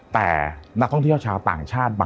แต่นักท่องเที่ยวชาวต่างชาติ